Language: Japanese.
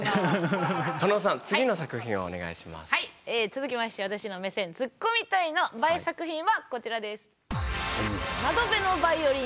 続きまして私の目線「ツッコミたい」のＢＡＥ作品はこちらです。